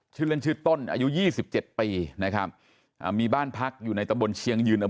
ชื่อเล่นชื่อต้นอายุยี่สิบเจ็ดปีนะครับอ่ามีบ้านพักอยู่ในตำบลเชียงยืนอำเภอ